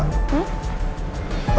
aku berangkat ya